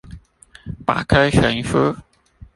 百科全書